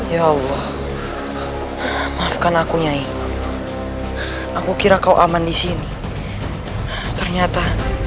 ya allah maafkan akunya ya aku kira kau aman di sini ternyata